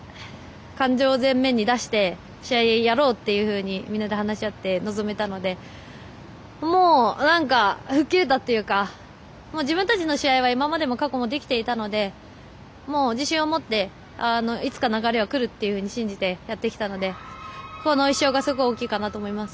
感情を前面に出して試合やろうっていうふうにみんなで話し合って臨めたのでもう、吹っ切れたというか自分たちの試合は今までも、過去もできていたので、自信を持っていつか流れはくるって信じてやってきたのでこの１勝がすごい大きいかなと思います。